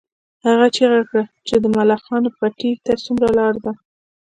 هغې چیغه کړه چې د ملخانو پټي ته څومره لار ده